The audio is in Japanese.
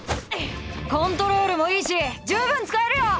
コントロールもいいし十分使えるよ！